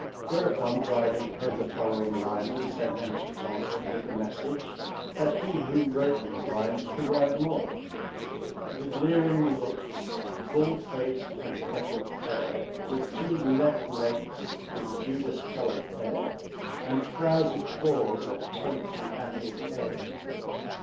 Thereupon Dryden penned the following lines and sent them to Tonson with the message that he who wrote these lines could write more: With leering looks, bull faced and freckled fair With two left legs, with Judas colored hair, And frowzy pores that taint the ambient air.